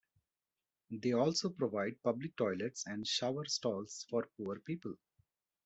They also provide public toilets and shower stalls for poor people.